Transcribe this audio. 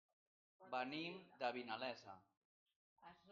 Venim de Vinalesa.